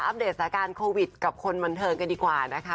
เดตสถานการณ์โควิดกับคนบันเทิงกันดีกว่านะคะ